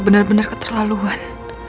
ini karena g meditation